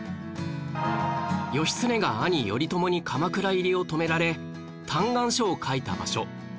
義経が兄頼朝に鎌倉入りを止められ嘆願書を書いた場所